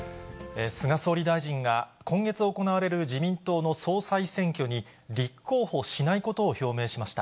菅総理大臣が今月行われる自民党の総裁選挙に立候補しないことを表明しました。